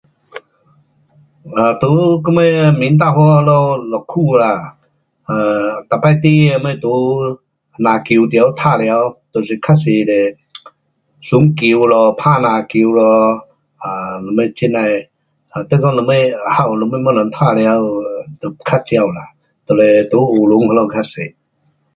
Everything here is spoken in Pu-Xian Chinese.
um 在我们民达华那里一区啦，um 每次孩儿只是在篮球场玩耍，较多是玩球咯，打篮球咯，um 什么这呐的你讲什么还有什么东西玩耍就较少啦，就是在学堂那里较多。